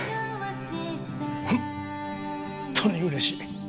本当にうれしい。